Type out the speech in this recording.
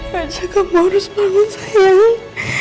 bangsa kamu harus bangun sayang